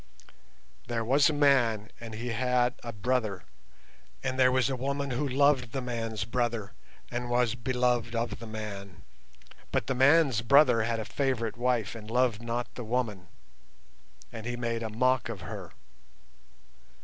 "There was a man and he had a brother, and there was a woman who loved the man's brother and was beloved of the man. But the man's brother had a favourite wife and loved not the woman, and he made a mock of her.